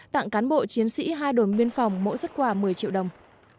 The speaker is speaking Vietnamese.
tặng cán bộ chiến sĩ hai đồn biên phòng mỗi xuất quà một mươi triệu đồng